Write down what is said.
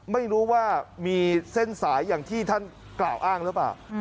ไม่รู้ว่ามีเส้นสายอย่างที่ท่านกล่าวอ้างหรือเปล่า